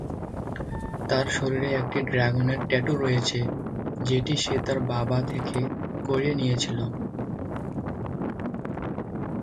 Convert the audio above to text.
তার শরীরে একটি ড্রাগনের ট্যাটু রয়েছে যেটি সে তার বাবা থেকে করিয়ে নিয়েছিল।